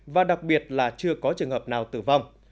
và đặc biệt là chưa có trường hợp nào tử vong